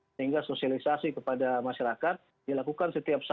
sehingga sosialisasi kepada masyarakat dilakukan setiap saat